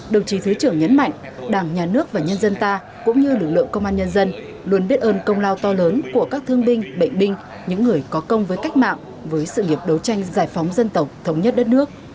đồng chí thứ trưởng nhấn mạnh đảng nhà nước và nhân dân ta cũng như lực lượng công an nhân dân luôn biết ơn công lao to lớn của các thương binh bệnh binh những người có công với cách mạng với sự nghiệp đấu tranh giải phóng dân tộc thống nhất đất nước